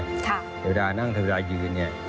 เฉวดานั่งเฉวดายืน